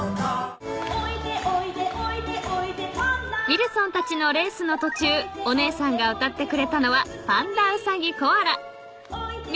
［ウィルソンたちのレースのとちゅうお姉さんが歌ってくれたのは『パンダうさぎコアラ』］